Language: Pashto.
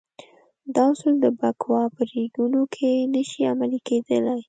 دا اصول د بکواه په ریګونو کې نه شي عملي کېدلای.